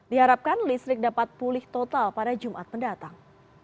diharapkan listrik dapat pulih total pada jumat mendatang